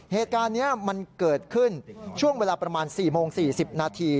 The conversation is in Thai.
เหตุการณ์นี้มันเกิดขึ้นช่วงเวลาประมาณ๔โมง๔๐นาที